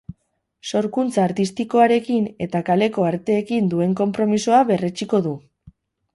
Sorkuntza artistikoarekin eta kaleko arteekin duen konpromisoa berretsiko du.